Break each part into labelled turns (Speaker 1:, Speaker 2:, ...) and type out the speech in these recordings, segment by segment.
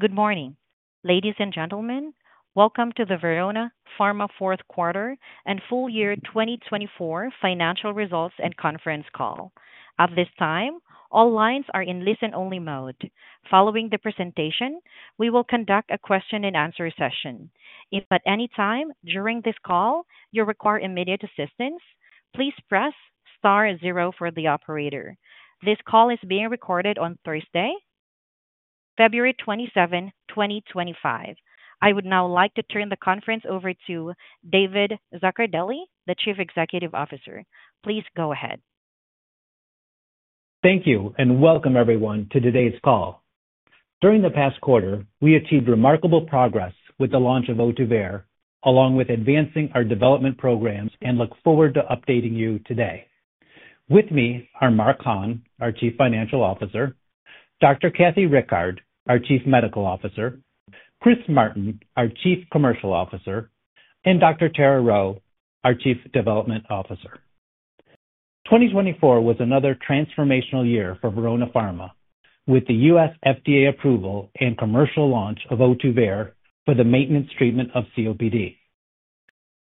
Speaker 1: Good morning, ladies and gentlemen. Welcome to the Verona Pharma Fourth Quarter and Full Year 2024 Financial Results and Conference call. At this time, all lines are in listen-only mode. Following the presentation, we will conduct a question-and-answer session. If at any time during this call you require immediate assistance, please press star zero for the operator. This call is being recorded on Thursday, February 27, 2025. I would now like to turn the conference over to David Zaccardelli, the Chief Executive Officer. Please go ahead.
Speaker 2: Thank you, and welcome everyone to today's call. During the past quarter, we achieved remarkable progress with the launch of Ohtuvayre, along with advancing our development programs, and look forward to updating you today. With me are Mark Hahn, our Chief Financial Officer, Dr. Kathleen Rickard, our Chief Medical Officer, Chris Martin, our Chief Commercial Officer, and Dr. Tara Rheault, our Chief Development Officer. 2024 was another transformational year for Verona Pharma, with the U.S. FDA approval and commercial launch of Ohtuvayre for the maintenance treatment of COPD.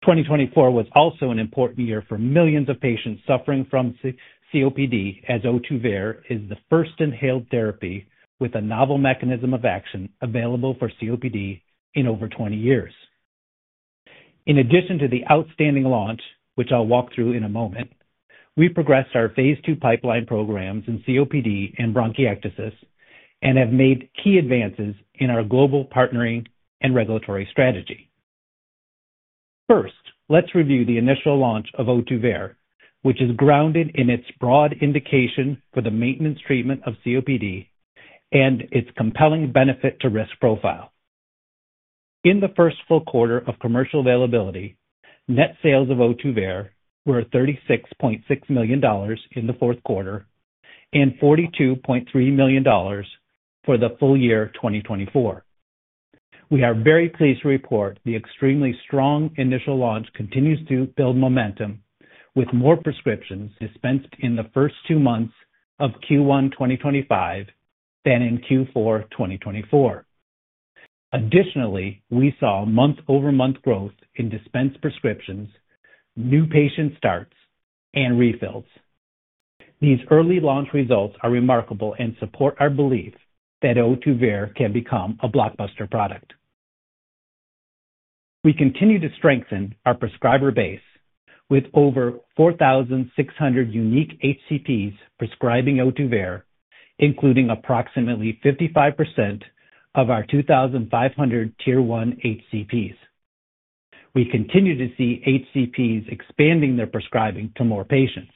Speaker 2: 2024 was also an important year for millions of patients suffering from COPD, as Ohtuvayre is the first inhaled therapy with a novel mechanism of action available for COPD in over 20 years. In addition to the outstanding launch, which I'll walk through in a moment, we progressed our Phase II pipeline programs in COPD and bronchiectasis and have made key advances in our global partnering and regulatory strategy. First, let's review the initial launch of Ohtuvayre, which is grounded in its broad indication for the maintenance treatment of COPD and its compelling benefit-to-risk profile. In the first full quarter of commercial availability, net sales of Ohtuvayre were $36.6 million in the fourth quarter and $42.3 million for the full year 2024. We are very pleased to report the extremely strong initial launch continues to build momentum, with more prescriptions dispensed in the first two months of Q1 2025 than in Q4 2024. Additionally, we saw month-over-month growth in dispensed prescriptions, new patient starts, and refills. These early launch results are remarkable and support our belief that Ohtuvayre can become a blockbuster product. We continue to strengthen our prescriber base with over 4,600 unique HCPs prescribing Ohtuvayre, including approximately 55% of our 2,500 Tier 1 HCPs. We continue to see HCPs expanding their prescribing to more patients.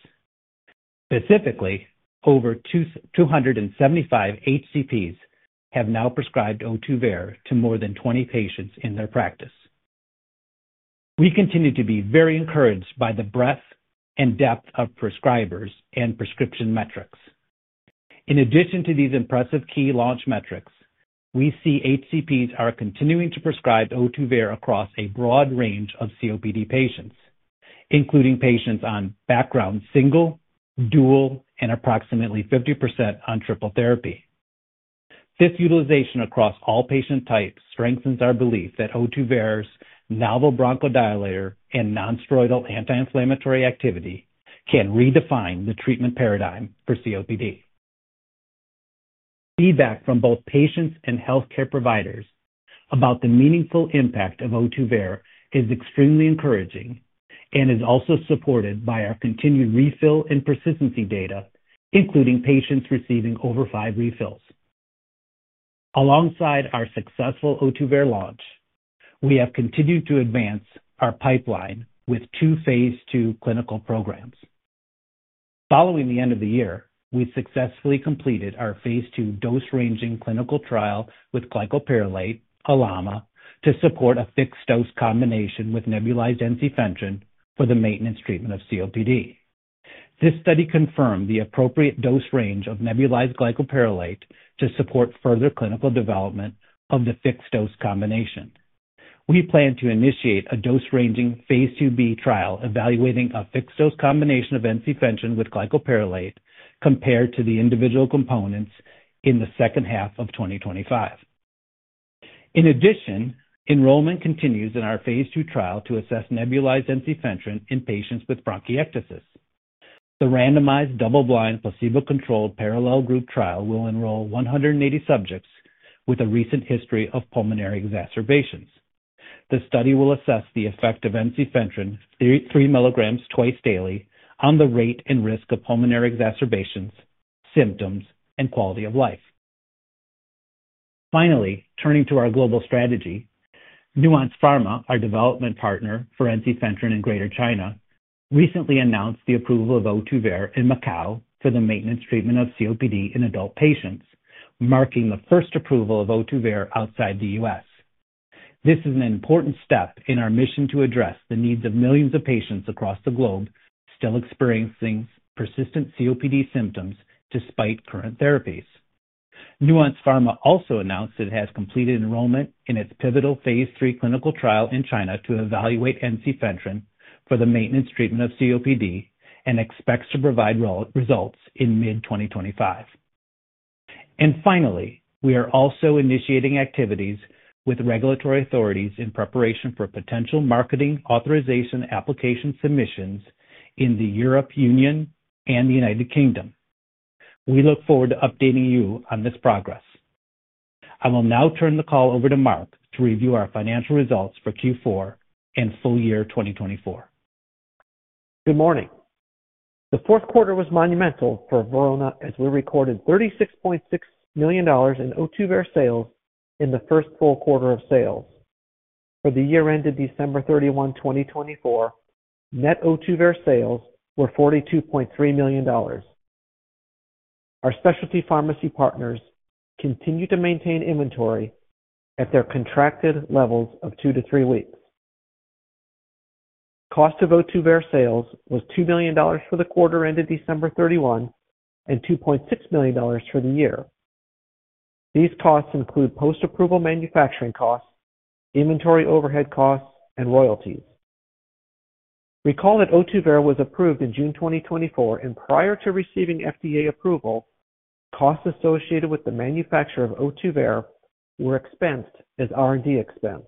Speaker 2: Specifically, over 275 HCPs have now prescribed Ohtuvayre to more than 20 patients in their practice. We continue to be very encouraged by the breadth and depth of prescribers and prescription metrics. In addition to these impressive key launch metrics, we see HCPs are continuing to prescribe Ohtuvayre across a broad range of COPD patients, including patients on background single, dual, and approximately 50% on triple therapy. This utilization across all patient types strengthens our belief that Ohtuvayre's novel bronchodilator and nonsteroidal anti-inflammatory activity can redefine the treatment paradigm for COPD. Feedback from both patients and healthcare providers about the meaningful impact of Ohtuvayre is extremely encouraging and is also supported by our continued refill and persistency data, including patients receiving over five refills. Alongside our successful Ohtuvayre launch, we have continued to advance our pipeline with two Phase 2 clinical programs. Following the end of the year, we successfully completed our Phase 2 dose-ranging clinical trial with glycopyrrolate LAMA, to support a fixed-dose combination with nebulized ensifentrine for the maintenance treatment of COPD. This study confirmed the appropriate dose range of nebulized glycopyrrolate to support further clinical development of the fixed-dose combination. We plan to initiate a dose-ranging Phase 2b trial evaluating a fixed-dose combination of ensifentrine with glycopyrrolate compared to the individual components in the second half of 2025. In addition, enrollment continues in our Phase 2 trial to assess nebulized ensifentrine in patients with bronchiectasis. The randomized double-blind placebo-controlled parallel group trial will enroll 180 subjects with a recent history of pulmonary exacerbations. The study will assess the effect of ensifentrine 3 mg twice daily on the rate and risk of pulmonary exacerbations, symptoms, and quality of life. Finally, turning to our global strategy, Nuance Pharma, our development partner for ensifentrine in Greater China, recently announced the approval of Ohtuvayre in Macau for the maintenance treatment of COPD in adult patients, marking the first approval of Ohtuvayre outside the U.S. This is an important step in our mission to address the needs of millions of patients across the globe still experiencing persistent COPD symptoms despite current therapies. Nuance Pharma also announced it has completed enrollment in its pivotal Phase 3 clinical trial in China to evaluate ensifentrine for the maintenance treatment of COPD and expects to provide results in mid-2025. Finally, we are also initiating activities with regulatory authorities in preparation for potential marketing authorization application submissions in the European Union and the United Kingdom. We look forward to updating you on this progress. I will now turn the call over to Mark to review our financial results for Q4 and full year 2024.
Speaker 3: Good morning. The fourth quarter was monumental for Verona as we recorded $36.6 million in Ohtuvayre sales in the first full quarter of sales. For the year ended December 31, 2024, net Ohtuvayre sales were $42.3 million. Our specialty pharmacy partners continue to maintain inventory at their contracted levels of two to three weeks. Cost of Ohtuvayre sales was $2 million for the quarter ended December 31 and $2.6 million for the year. These costs include post-approval manufacturing costs, inventory overhead costs, and royalties. Recall that Ohtuvayre was approved in June 2024, and prior to receiving FDA approval, costs associated with the manufacture of Ohtuvayre were expensed as R&D expense.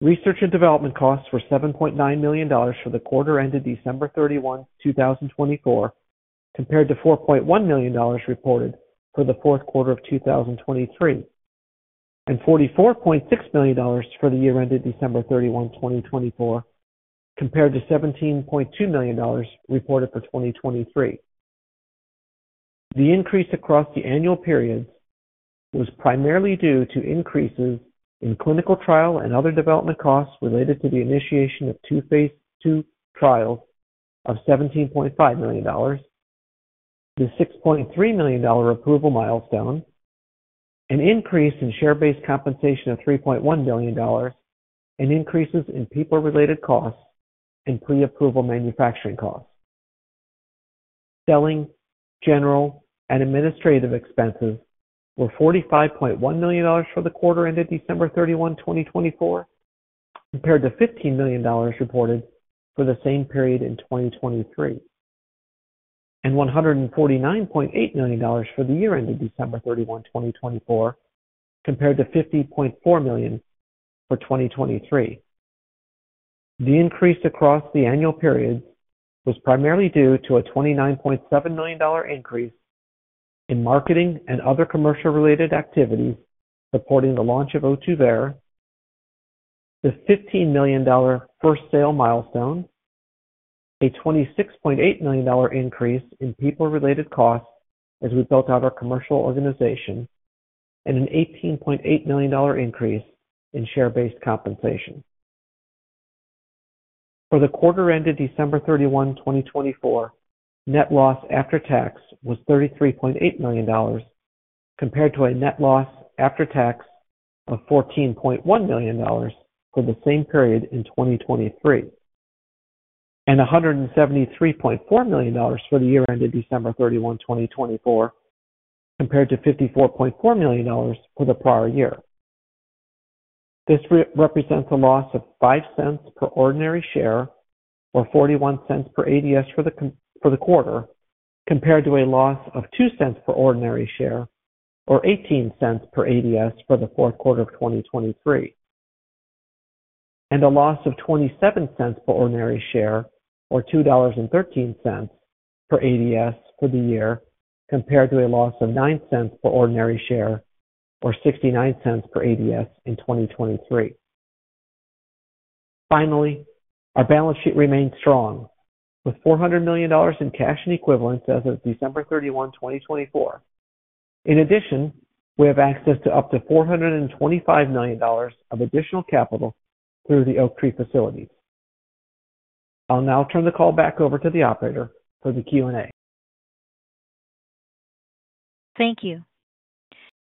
Speaker 3: Research and development costs were $7.9 million for the quarter ended December 31, 2024, compared to $4.1 million reported for the fourth quarter of 2023, and $44.6 million for the year ended December 31, 2024, compared to $17.2 million reported for 2023. The increase across the annual periods was primarily due to increases in clinical trial and other development costs related to the initiation of two Phase II trials of $17.5 million, the $6.3 million approval milestone, an increase in share-based compensation of $3.1 million, and increases in people-related costs and pre-approval manufacturing costs. Selling, general, and administrative expenses were $45.1 million for the quarter ended December 31, 2024, compared to $15 million reported for the same period in 2023, and $149.8 million for the year ended December 31, 2024, compared to $50.4 million for 2023. The increase across the annual periods was primarily due to a $29.7 million increase in marketing and other commercial-related activities supporting the launch of Ohtuvayre, the $15 million first sale milestone, a $26.8 million increase in people-related costs as we built out our commercial organization, and an $18.8 million increase in share-based compensation. For the quarter ended December 31, 2024, net loss after tax was $33.8 million, compared to a net loss after tax of $14.1 million for the same period in 2023, and $173.4 million for the year ended December 31, 2024, compared to $54.4 million for the prior year. This represents a loss of $0.05 per ordinary share or $0.41 per ADS for the quarter, compared to a loss of $0.02 per ordinary share or $0.18 per ADS for the fourth quarter of 2023, and a loss of $0.27 per ordinary share or $2.13 per ADS for the year, compared to a loss of $0.09 per ordinary share or $0.69 per ADS in 2023. Finally, our balance sheet remains strong, with $400 million in cash and equivalents as of December 31, 2024. In addition, we have access to up to $425 million of additional capital through the Oaktree facilities. I'll now turn the call back over to the operator for the Q&A.
Speaker 1: Thank you.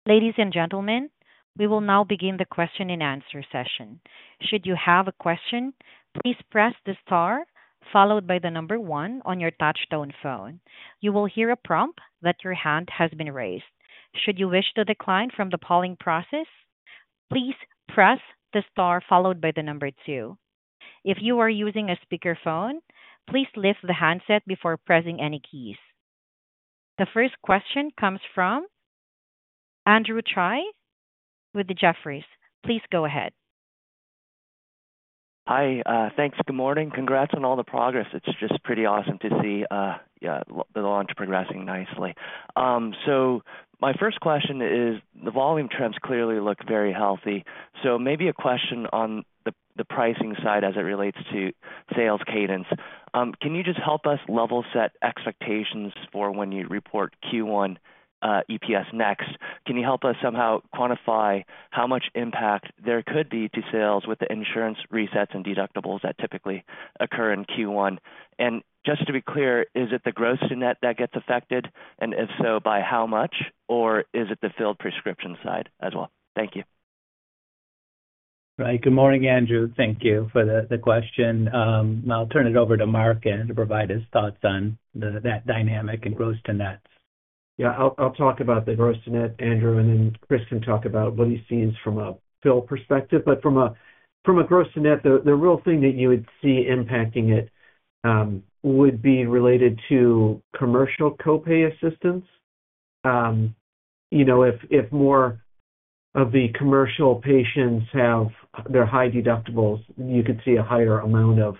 Speaker 1: Ladies and gentlemen, we will now begin the question-and-answer session. Should you have a question, please press the star followed by the number one on your touch-tone phone. You will hear a prompt that your hand has been raised. Should you wish to decline from the polling process, please press the star followed by the number two. If you are using a speakerphone, please lift the handset before pressing any keys. The first question comes from Andrew Tsai with Jefferies. Please go ahead.
Speaker 4: Hi. Thanks. Good morning. Congrats on all the progress. It's just pretty awesome to see the launch progressing nicely. So my first question is the volume trends clearly look very healthy. So maybe a question on the pricing side as it relates to sales cadence. Can you just help us level set expectations for when you report Q1 EPS next? Can you help us somehow quantify how much impact there could be to sales with the insurance resets and deductibles that typically occur in Q1? And just to be clear, is it the gross net that gets affected, and if so, by how much, or is it the filled prescription side as well?
Speaker 2: Thank you. Right. Good morning, Andrew. Thank you for the question. I'll turn it over to Mark to provide his thoughts on that dynamic and gross to nets.
Speaker 3: Yeah. I'll talk about the gross to net, Andrew, and then Chris can talk about what he sees from a fill perspective. But from a gross to net, the real thing that you would see impacting it would be related to commercial copay assistance. If more of the commercial patients have their high deductibles, you could see a higher amount of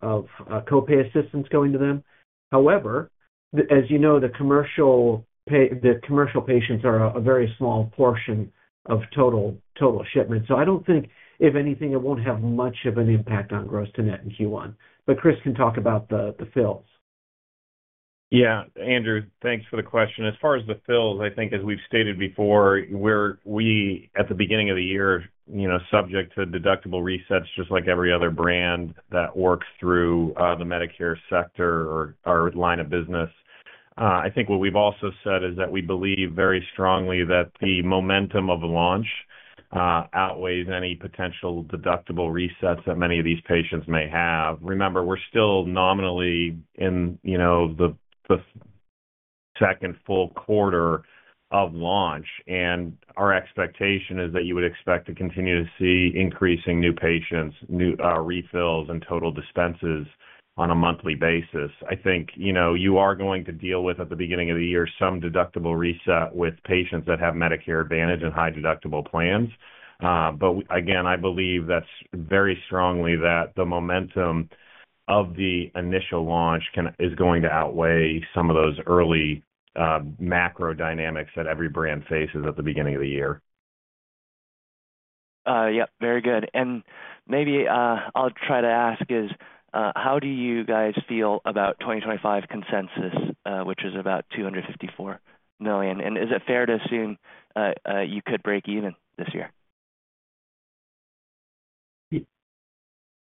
Speaker 3: copay assistance going to them. However, as you know, the commercial patients are a very small portion of total shipment. So I don't think, if anything, it won't have much of an impact on gross to net in Q1. But Chris can talk about the fills.
Speaker 5: Yeah. Andrew, thanks for the question. As far as the fills, I think, as we've stated before, we're, at the beginning of the year, subject to deductible resets, just like every other brand that works through the Medicare sector or line of business. I think what we've also said is that we believe very strongly that the momentum of launch outweighs any potential deductible resets that many of these patients may have. Remember, we're still nominally in the second full quarter of launch, and our expectation is that you would expect to continue to see increasing new patients, refills, and total dispenses on a monthly basis. I think you are going to deal with, at the beginning of the year, some deductible reset with patients that have Medicare Advantage and high deductible plans. But again, I believe that's very strongly that the momentum of the initial launch is going to outweigh some of those early macro dynamics that every brand faces at the beginning of the year.
Speaker 4: Yeah. Very good. And maybe I'll try to ask is, how do you guys feel about 2025 consensus, which is about $254 million? And is it fair to assume you could break even this year?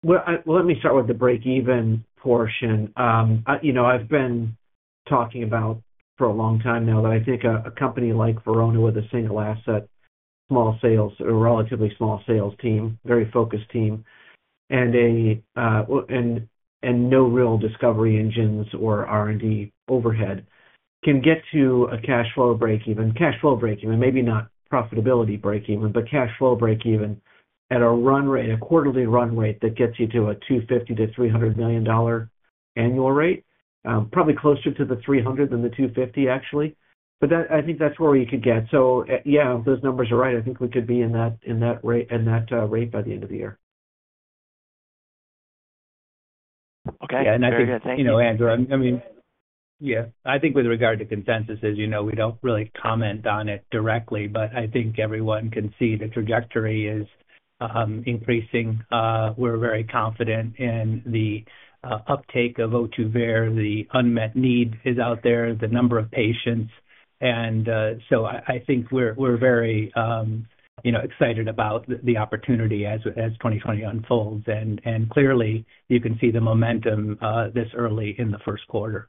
Speaker 3: Let me start with the break-even portion. I've been talking about for a long time now that I think a company like Verona with a single asset, small sales, a relatively small sales team, very focused team, and no real discovery engines or R&D overhead can get to a cash flow break-even, cash flow break-even, maybe not profitability break-even, but cash flow break-even at a run rate, a quarterly run rate that gets you to a $250-$300 million annual rate, probably closer to the 300 than the 250, actually. But I think that's where we could get. So yeah, if those numbers are right, I think we could be in that rate by the end of the year.
Speaker 4: Okay, and I think.
Speaker 3: Yeah. Thank you, Andrew. I mean, yeah, I think with regard to consensus, as you know, we don't really comment on it directly, but I think everyone can see the trajectory is increasing. We're very confident in the uptake of Ohtuvayre. The unmet need is out there, the number of patients. And so I think we're very excited about the opportunity as 2020 unfolds. And clearly, you can see the momentum this early in the first quarter.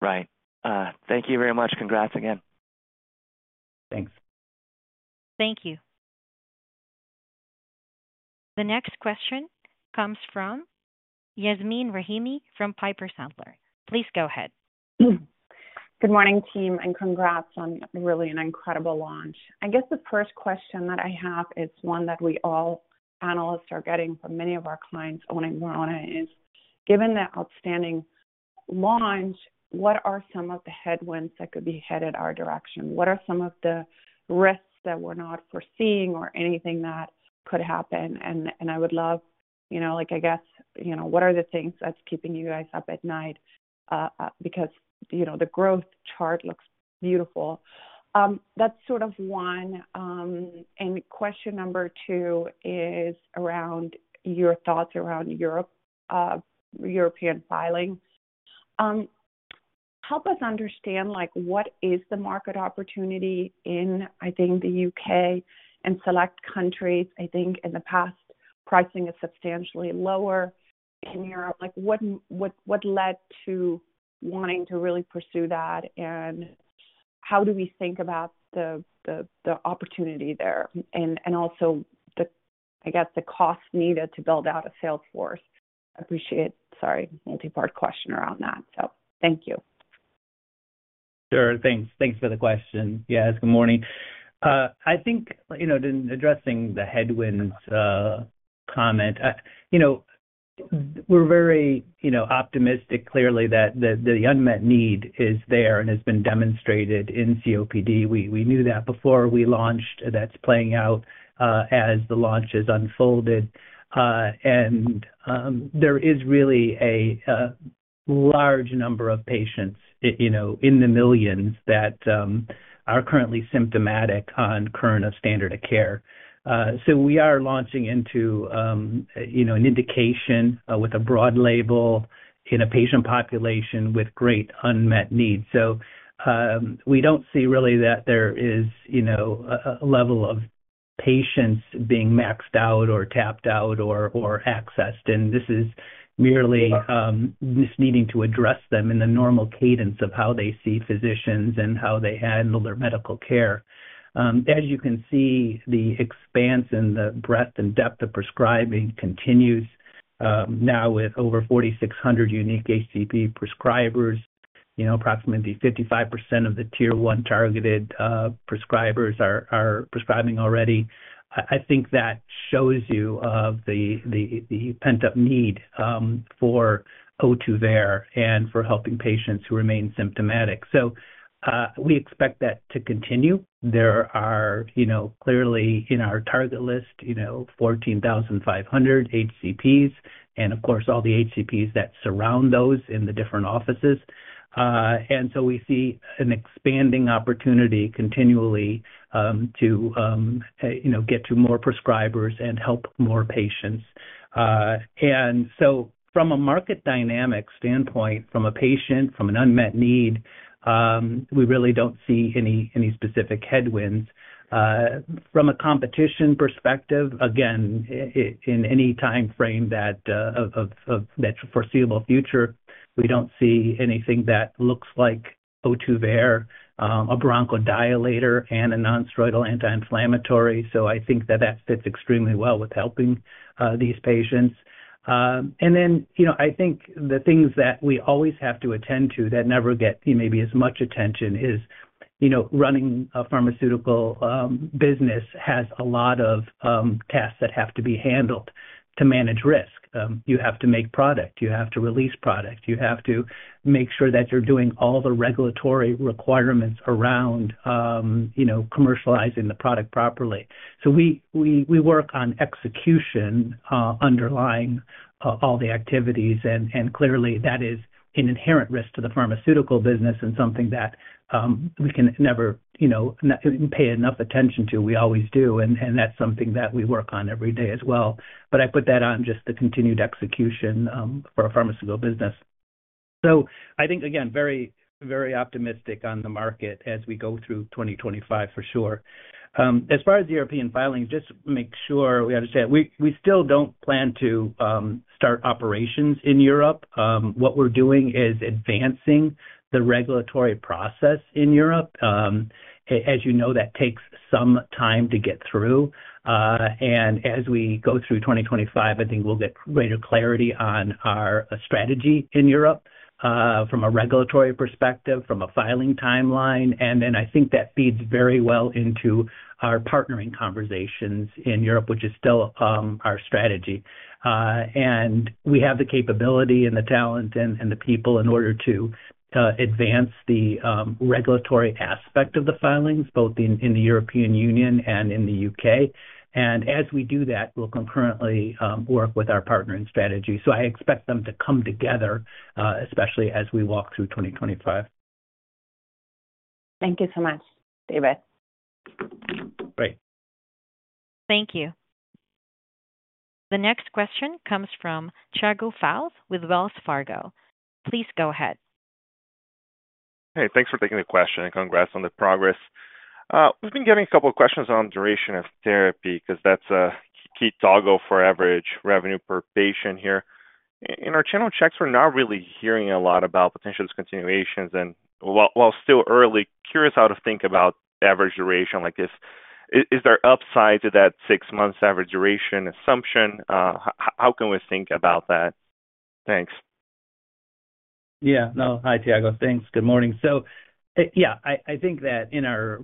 Speaker 4: Right. Thank you very much. Congrats again.
Speaker 3: Thanks.
Speaker 1: Thank you. The next question comes from Yasmin Rahimi from Piper Sandler. Please go ahead.
Speaker 6: Good morning, team, and congrats on really an incredible launch. I guess the first question that I have is one that we all analysts are getting from many of our clients owning Verona is, given the outstanding launch, what are some of the headwinds that could be headed our direction? What are some of the risks that we're not foreseeing or anything that could happen? And I would love, I guess, what are the things that's keeping you guys up at night? Because the growth chart looks beautiful. That's sort of one. And question number two is around your thoughts around European filing. Help us understand what is the market opportunity in, I think, the UK and select countries. I think in the past, pricing is substantially lower in Europe. What led to wanting to really pursue that? And how do we think about the opportunity there? And also, I guess, the cost needed to build out a sales force. Appreciate, sorry, multi-part question around that. So thank you.
Speaker 2: Sure. Thanks. Thanks for the question. Yes. Good morning. I think in addressing the headwinds comment, we're very optimistic, clearly, that the unmet need is there and has been demonstrated in COPD. We knew that before we launched. That's playing out as the launch has unfolded. And there is really a large number of patients in the millions that are currently symptomatic on current standard of care. So we are launching into an indication with a broad label in a patient population with great unmet needs. So we don't see really that there is a level of patients being maxed out or tapped out or accessed. And this is merely just needing to address them in the normal cadence of how they see physicians and how they handle their medical care. As you can see, the expanse and the breadth and depth of prescribing continues now with over 4,600 unique HCP prescribers. Approximately 55% of the tier one targeted prescribers are prescribing already. I think that shows you of the pent-up need for Ohtuvayre and for helping patients who remain symptomatic, so we expect that to continue. There are clearly in our target list, 14,500 HCPs and, of course, all the HCPs that surround those in the different offices, and so we see an expanding opportunity continually to get to more prescribers and help more patients, and so from a market dynamic standpoint, from a patient, from an unmet need, we really don't see any specific headwinds. From a competition perspective, again, in any timeframe of the foreseeable future, we don't see anything that looks like Ohtuvayre, a bronchodilator, and a nonsteroidal anti-inflammatory. So I think that that fits extremely well with helping these patients. And then I think the things that we always have to attend to that never get maybe as much attention is running a pharmaceutical business has a lot of tasks that have to be handled to manage risk. You have to make product. You have to release product. You have to make sure that you're doing all the regulatory requirements around commercializing the product properly. So we work on execution underlying all the activities. And clearly, that is an inherent risk to the pharmaceutical business and something that we can never pay enough attention to. We always do. And that's something that we work on every day as well. But I put that on just the continued execution for a pharmaceutical business. So I think, again, very optimistic on the market as we go through 2025, for sure. As far as European filings, just make sure we understand. We still don't plan to start operations in Europe. What we're doing is advancing the regulatory process in Europe. As you know, that takes some time to get through, and as we go through 2025, I think we'll get greater clarity on our strategy in Europe from a regulatory perspective, from a filing timeline, and then I think that feeds very well into our partnering conversations in Europe, which is still our strategy, and we have the capability and the talent and the people in order to advance the regulatory aspect of the filings, both in the European Union and in the U.K. And as we do that, we'll concurrently work with our partnering strategy, so I expect them to come together, especially as we walk through 2025.
Speaker 6: Thank you so much, David.
Speaker 2: Great.
Speaker 1: Thank you. The next question comes from Tiago Fauth with Wells Fargo. Please go ahead.
Speaker 7: Hey, thanks for taking the question. Congrats on the progress. We've been getting a couple of questions on duration of therapy because that's a key toggle for average revenue per patient here. In our channel checks, we're not really hearing a lot about potential discontinuations. And while still early, curious how to think about average duration. Is there upside to that six-month average duration assumption? How can we think about that? Thanks.
Speaker 2: Yeah. No. Hi, Tiago. Thanks. Good morning. So yeah, I think that in our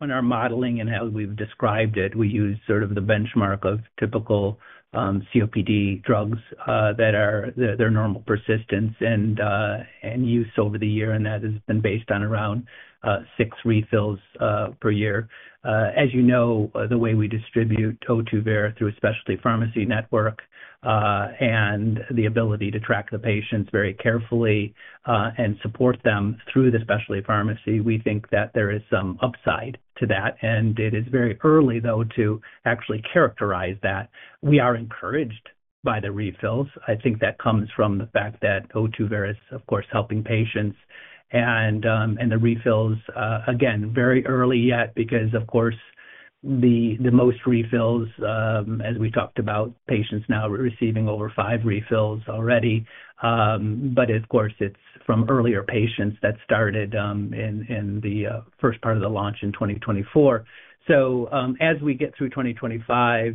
Speaker 2: modeling and how we've described it, we use sort of the benchmark of typical COPD drugs that are their normal persistence and use over the year. And that has been based on around six refills per year. As you know, the way we distribute Ohtuvayre through a specialty pharmacy network and the ability to track the patients very carefully and support them through the specialty pharmacy, we think that there is some upside to that. And it is very early, though, to actually characterize that. We are encouraged by the refills. I think that comes from the fact that Ohtuvayre is, of course, helping patients. And the refills, again, very early yet because, of course, the most refills, as we talked about, patients now receiving over five refills already. But of course, it's from earlier patients that started in the first part of the launch in 2024. So as we get through 2025,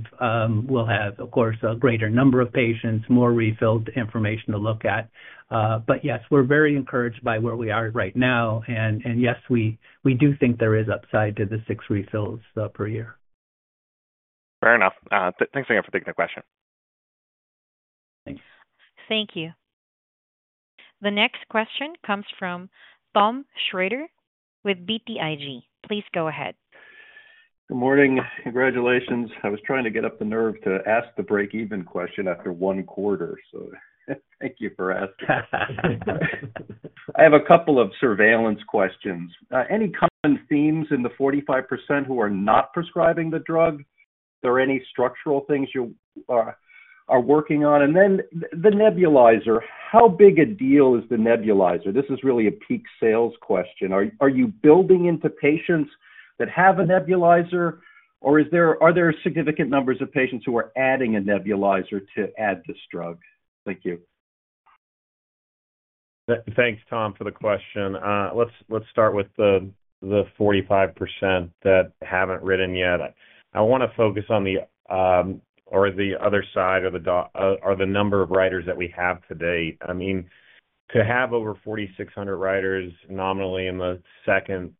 Speaker 2: we'll have, of course, a greater number of patients, more refilled information to look at. But yes, we're very encouraged by where we are right now. And yes, we do think there is upside to the six refills per year.
Speaker 7: Fair enough. Thanks again for taking the question.
Speaker 2: Thanks.
Speaker 1: Thank you. The next question comes from Thomas Shrader with BTIG. Please go ahead.
Speaker 8: Good morning. Congratulations. I was trying to get up the nerve to ask the break-even question after one quarter. So thank you for asking. I have a couple of surveillance questions. Any common themes in the 45% who are not prescribing the drug? Are there any structural things you are working on? And then the nebulizer. How big a deal is the nebulizer? This is really a peak sales question. Are you building into patients that have a nebulizer, or are there significant numbers of patients who are adding a nebulizer to add this drug? Thank you.
Speaker 2: Thanks, Tom, for the question. Let's start with the 45% that haven't written yet. I want to focus on the other side or the number of writers that we have today. I mean, to have over 4,600 writers nominally in the second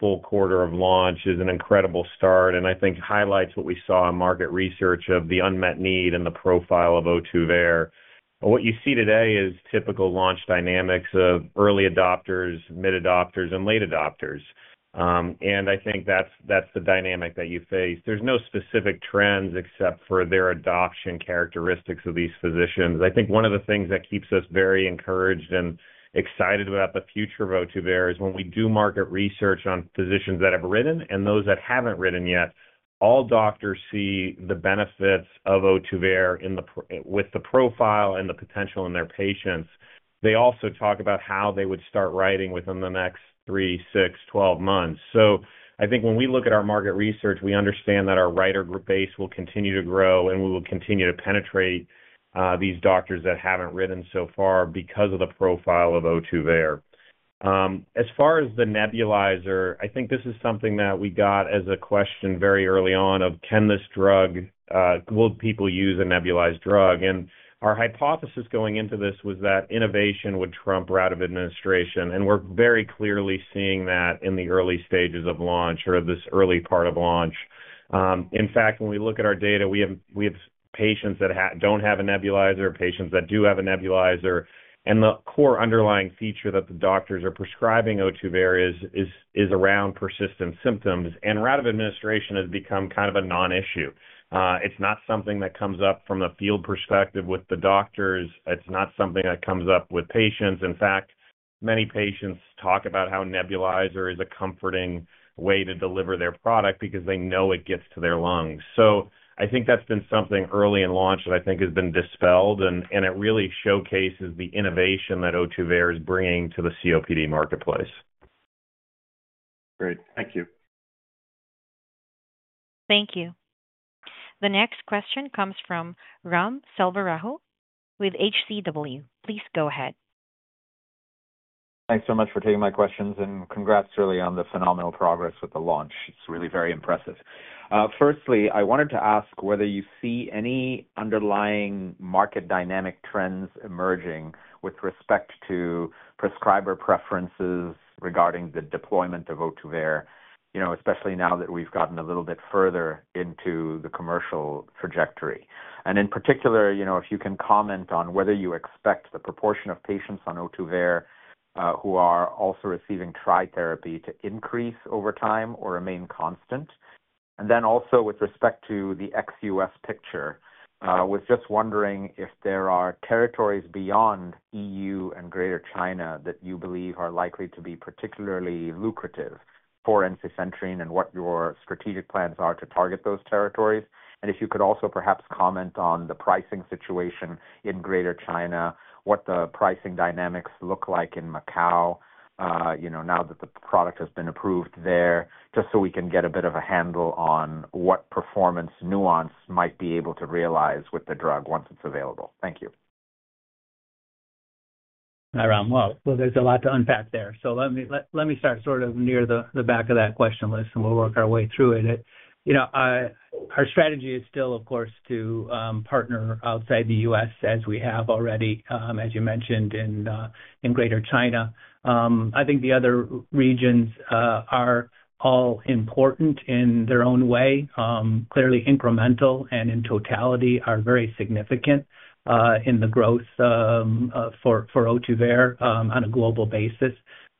Speaker 2: full quarter of launch is an incredible start. And I think highlights what we saw in market research of the unmet need and the profile of Ohtuvayre. What you see today is typical launch dynamics of early adopters, mid-adopters, and late adopters. And I think that's the dynamic that you face. There's no specific trends except for their adoption characteristics of these physicians. I think one of the things that keeps us very encouraged and excited about the future of Ohtuvayre is when we do market research on physicians that have written and those that haven't written yet. All doctors see the benefits of Ohtuvayre with the profile and the potential in their patients. They also talk about how they would start writing within the next three, six, 12 months. So I think when we look at our market research, we understand that our writer group base will continue to grow, and we will continue to penetrate these doctors that haven't written so far because of the profile of Ohtuvayre. As far as the nebulizer, I think this is something that we got as a question very early on of, can this drug will people use a nebulized drug? And our hypothesis going into this was that innovation would trump route of administration. And we're very clearly seeing that in the early stages of launch or this early part of launch. In fact, when we look at our data, we have patients that don't have a nebulizer, patients that do have a nebulizer. And the core underlying feature that the doctors are prescribing Ohtuvayre is around persistent symptoms. And route of administration has become kind of a non-issue. It's not something that comes up from a field perspective with the doctors. It's not something that comes up with patients. In fact, many patients talk about how nebulizer is a comforting way to deliver their product because they know it gets to their lungs. So I think that's been something early in launch that I think has been dispelled. And it really showcases the innovation that Ohtuvayre is bringing to the COPD marketplace.
Speaker 8: Great. Thank you.
Speaker 1: Thank you. The next question comes from Ram Selvaraju with HCW. Please go ahead.
Speaker 9: Thanks so much for taking my questions. Congrats early on the phenomenal progress with the launch. It's really very impressive. Firstly, I wanted to ask whether you see any underlying market dynamic trends emerging with respect to prescriber preferences regarding the deployment of Ohtuvayre, especially now that we've gotten a little bit further into the commercial trajectory. In particular, if you can comment on whether you expect the proportion of patients on Ohtuvayre who are also receiving tri-therapy to increase over time or remain constant. Also with respect to the ex-US picture, I was just wondering if there are territories beyond EU and Greater China that you believe are likely to be particularly lucrative for ensifentrine and what your strategic plans are to target those territories. If you could also perhaps comment on the pricing situation in Greater China, what the pricing dynamics look like in Macau now that the product has been approved there, just so we can get a bit of a handle on what performance Nuance might be able to realize with the drug once it's available. Thank you.
Speaker 2: Hi, Ram. There's a lot to unpack there. Let me start sort of near the back of that question list, and we'll work our way through it. Our strategy is still, of course, to partner outside the U.S. as we have already, as you mentioned, in Greater China. I think the other regions are all important in their own way. Clearly, incremental and in totality are very significant in the growth for Ohtuvayre on a global basis.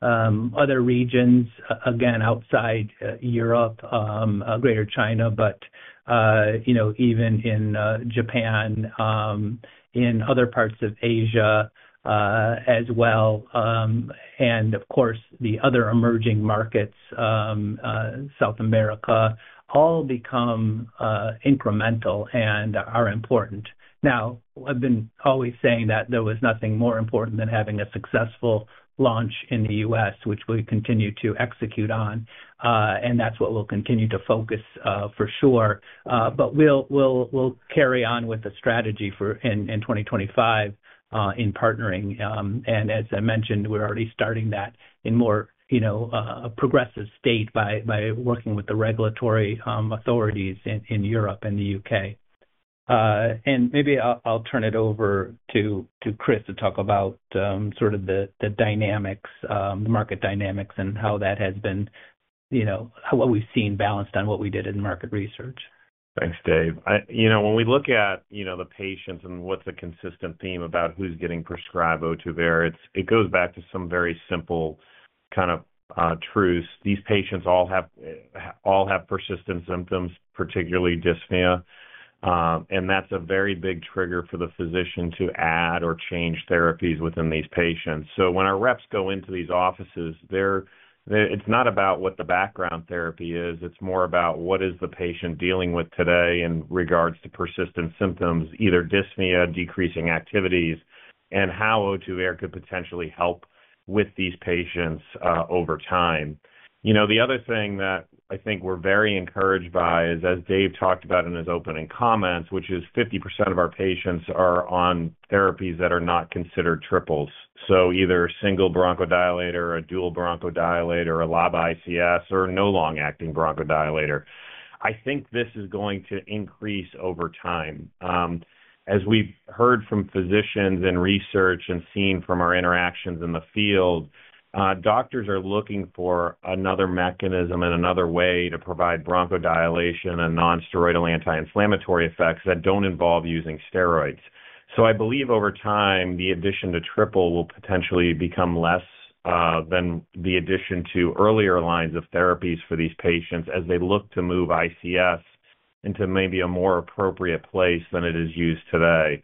Speaker 2: Other regions, again, outside Europe, Greater China, but even in Japan, in other parts of Asia as well. And of course, the other emerging markets, South America, all become incremental and are important. Now, I've been always saying that there was nothing more important than having a successful launch in the U.S., which we continue to execute on. That's what we'll continue to focus for sure. But we'll carry on with the strategy in 2025 in partnering. And as I mentioned, we're already starting that in more progressive state by working with the regulatory authorities in Europe and the U.K. And maybe I'll turn it over to Chris to talk about sort of the dynamics, the market dynamics, and how that has been what we've seen based on what we did in market research.
Speaker 5: Thanks, Dave. When we look at the patients and what's a consistent theme about who's getting prescribed Ohtuvayre, it goes back to some very simple kind of truths. These patients all have persistent symptoms, particularly dyspnea, and that's a very big trigger for the physician to add or change therapies within these patients, so when our reps go into these offices, it's not about what the background therapy is. It's more about what is the patient dealing with today in regards to persistent symptoms, either dyspnea, decreasing activities, and how Ohtuvayre could potentially help with these patients over time. The other thing that I think we're very encouraged by is, as Dave talked about in his opening comments, which is 50% of our patients are on therapies that are not considered triples. So either a single bronchodilator, a dual bronchodilator, a LABA ICS, or a no-long-acting bronchodilator. I think this is going to increase over time. As we've heard from physicians and research and seen from our interactions in the field, doctors are looking for another mechanism and another way to provide bronchodilation and nonsteroidal anti-inflammatory effects that don't involve using steroids. So I believe over time, the addition to triple will potentially become less than the addition to earlier lines of therapies for these patients as they look to move ICS into maybe a more appropriate place than it is used today.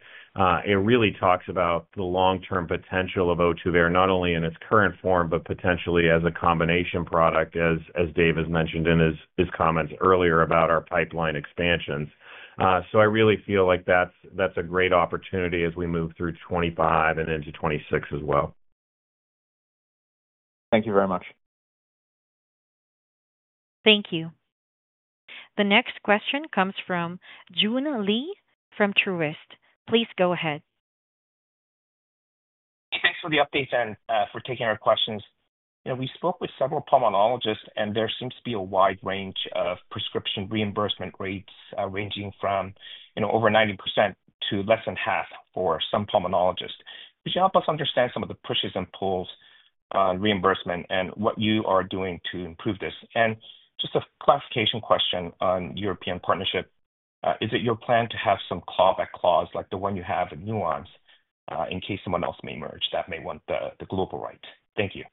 Speaker 5: It really talks about the long-term potential of Ohtuvayre, not only in its current form, but potentially as a combination product, as Dave has mentioned in his comments earlier about our pipeline expansions. So I really feel like that's a great opportunity as we move through 2025 and into 2026 as well.
Speaker 9: Thank you very much.
Speaker 1: Thank you. The next question comes from Joon Lee from Truist. Please go ahead.
Speaker 10: Thanks for the update and for taking our questions. We spoke with several pulmonologists, and there seems to be a wide range of prescription reimbursement rates ranging from over 90% to less than half for some pulmonologists. Could you help us understand some of the pushes and pulls on reimbursement and what you are doing to improve this? And just a clarification question on European partnership. Is it your plan to have some clawback clauses like the one you have in Nuance in case someone else may merge that may want the global right? Thank you.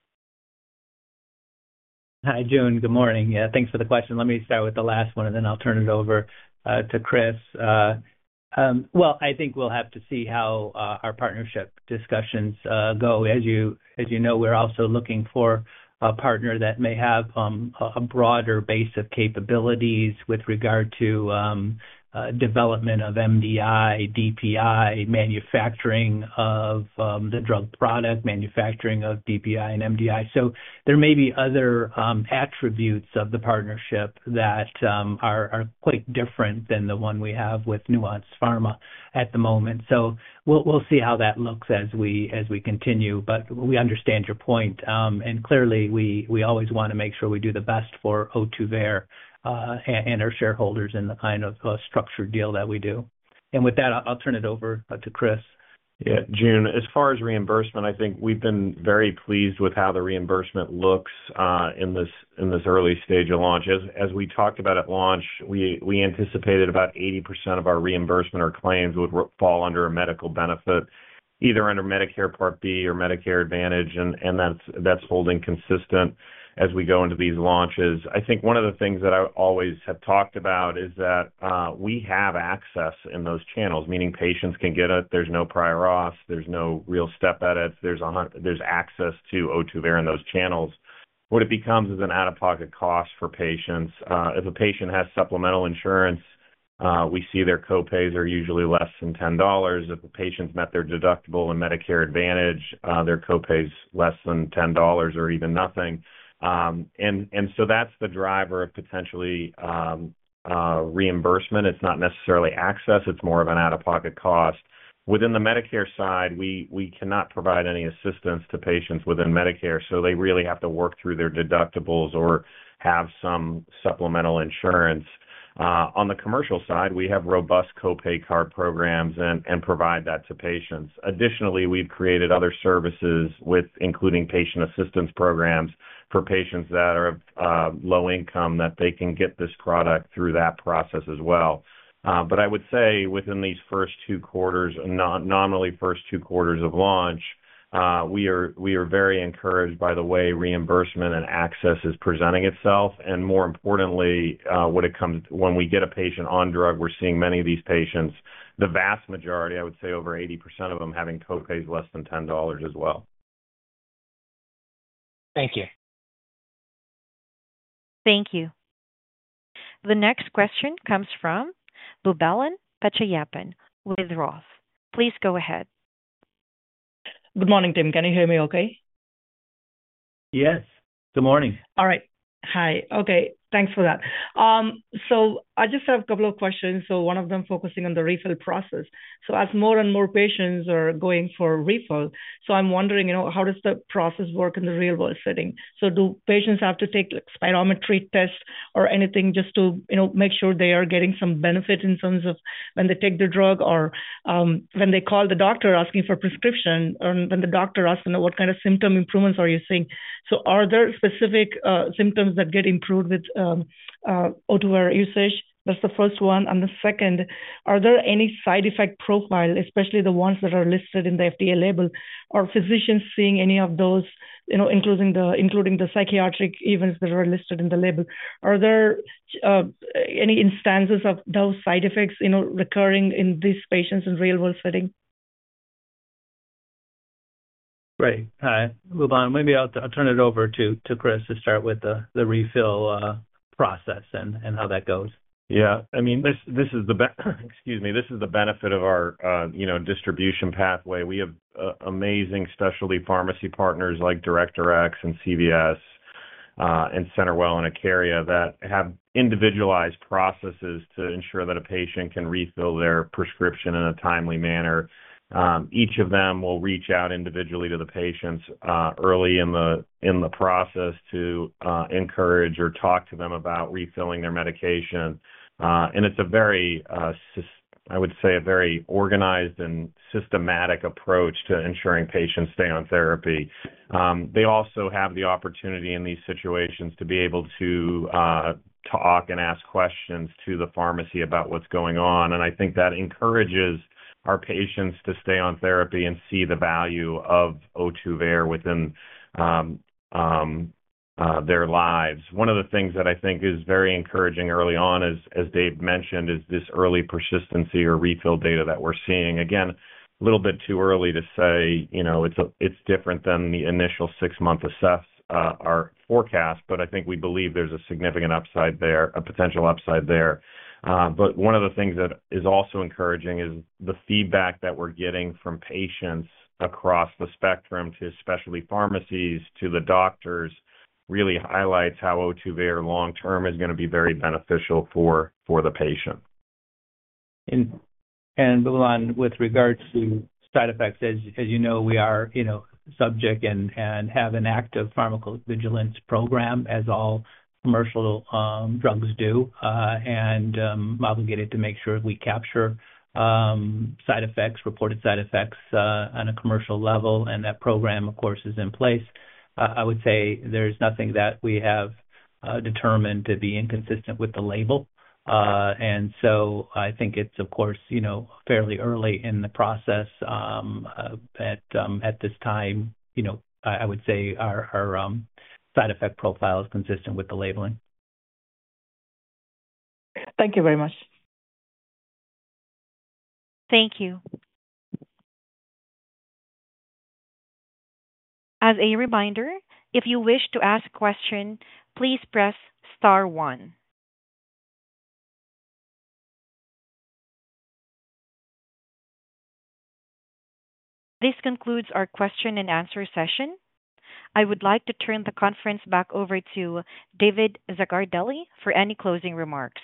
Speaker 2: Hi, Joon. Good morning. Yeah, thanks for the question. Let me start with the last one, and then I'll turn it over to Chris. I think we'll have to see how our partnership discussions go. As you know, we're also looking for a partner that may have a broader base of capabilities with regard to development of MDI, DPI, manufacturing of the drug product, manufacturing of DPI and MDI. So there may be other attributes of the partnership that are quite different than the one we have with Nuance Pharma at the moment. So we'll see how that looks as we continue. But we understand your point. And clearly, we always want to make sure we do the best for Ohtuvayre and our shareholders in the kind of structured deal that we do. And with that, I'll turn it over to Chris.
Speaker 5: Yeah, Joon. As far as reimbursement, I think we've been very pleased with how the reimbursement looks in this early stage of launch. As we talked about at launch, we anticipated about 80% of our reimbursement or claims would fall under a medical benefit, either under Medicare Part B or Medicare Advantage. And that's holding consistent as we go into these launches. I think one of the things that I always have talked about is that we have access in those channels, meaning patients can get it. There's no prior auth. There's no real step edits. There's access to Ohtuvayre in those channels. What it becomes is an out-of-pocket cost for patients. If a patient has supplemental insurance, we see their copays are usually less than $10. If the patient's met their deductible and Medicare Advantage, their copays less than $10 or even nothing. And so that's the driver of potentially reimbursement. It's not necessarily access. It's more of an out-of-pocket cost. Within the Medicare side, we cannot provide any assistance to patients within Medicare. So they really have to work through their deductibles or have some supplemental insurance. On the commercial side, we have robust copay card programs and provide that to patients. Additionally, we've created other services including patient assistance programs for patients that are low income that they can get this product through that process as well. But I would say within these first two quarters, nominally first two quarters of launch, we are very encouraged by the way reimbursement and access is presenting itself. And more importantly, when we get a patient on drug, we're seeing many of these patients, the vast majority, I would say over 80% of them having copays less than $10 as well.
Speaker 10: Thank you.
Speaker 1: Thank you. The next question comes from Boobalan Pachaiyappan with Roth. Please go ahead.
Speaker 11: Good morning, Tim. Can you hear me okay?
Speaker 2: Yes. Good morning.
Speaker 11: All right. Hi. Okay. Thanks for that. So I just have a couple of questions. So one of them focusing on the refill process. So as more and more patients are going for refill, so I'm wondering how does the process work in the real-world setting? So do patients have to take spirometry tests or anything just to make sure they are getting some benefit in terms of when they take the drug or when they call the doctor asking for a prescription or when the doctor asks them what kind of symptom improvements are you seeing? So are there specific symptoms that get improved with Ohtuvayre usage? That's the first one. And the second, are there any side effect profile, especially the ones that are listed in the FDA label? Are physicians seeing any of those, including the psychiatric events that are listed in the label? Are there any instances of those side effects recurring in these patients in real-world setting?
Speaker 2: Right. Hi. Boobalan, maybe I'll turn it over to Chris to start with the refill process and how that goes.
Speaker 5: Yeah. I mean, this is the benefit of our distribution pathway. We have amazing specialty pharmacy partners like DirectRx and CVS and CenterWell and Accredo that have individualized processes to ensure that a patient can refill their prescription in a timely manner. Each of them will reach out individually to the patients early in the process to encourage or talk to them about refilling their medication, and it's a very, I would say, a very organized and systematic approach to ensuring patients stay on therapy. They also have the opportunity in these situations to be able to talk and ask questions to the pharmacy about what's going on. I think that encourages our patients to stay on therapy and see the value of Ohtuvayre within their lives. One of the things that I think is very encouraging early on, as Dave mentioned, is this early persistency or refill data that we're seeing. Again, a little bit too early to say it's different than the initial six-month access forecast, but I think we believe there's a significant upside there, a potential upside there. But one of the things that is also encouraging is the feedback that we're getting from patients across the spectrum to specialty pharmacies to the doctors, really highlights how Ohtuvayre long-term is going to be very beneficial for the patient.
Speaker 2: Boobalan, with regards to side effects, as you know, we are subject and have an active pharmacovigilance program as all commercial drugs do. I'm obligated to make sure we capture side effects, reported side effects on a commercial level. That program, of course, is in place. I would say there's nothing that we have determined to be inconsistent with the label. So I think it's, of course, fairly early in the process at this time. I would say our side effect profile is consistent with the labeling.
Speaker 11: Thank you very much.
Speaker 1: Thank you. As a reminder, if you wish to ask a question, please press star one. This concludes our question-and-answer session. I would like to turn the conference back over to David Zaccardelli for any closing remarks.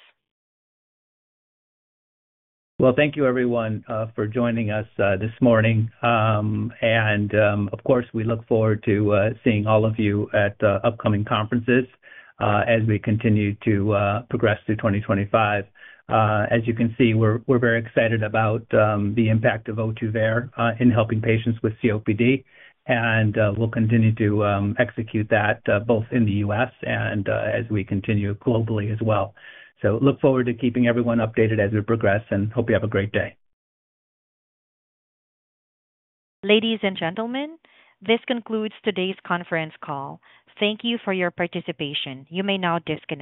Speaker 2: Thank you, everyone, for joining us this morning. And of course, we look forward to seeing all of you at upcoming conferences as we continue to progress through 2025. As you can see, we're very excited about the impact of Ohtuvayre in helping patients with COPD. And we'll continue to execute that both in the U.S. and as we continue globally as well. So look forward to keeping everyone updated as we progress and hope you have a great day.
Speaker 1: Ladies and gentlemen, this concludes today's conference call. Thank you for your participation. You may now disconnect.